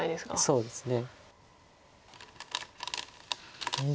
そうですね。